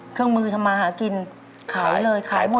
เครื่องมือทำมาหากินขายเลยขายหมด